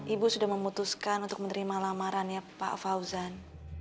ibu sudah memutuskan untuk menerima lamarannya pak fauzan